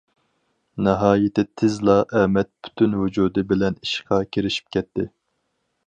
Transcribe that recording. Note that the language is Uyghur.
ناھايىتى تېزلا، ئەمەت پۈتۈن ۋۇجۇدى بىلەن ئىشقا كىرىشىپ كەتتى.